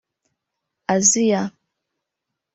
Aziya